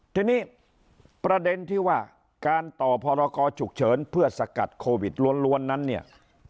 ทีนี้ประเด็นที่ว่าการต่อพรกรฉุกเฉินเพื่อสกัดโควิดล้วนนั้นเนี่ย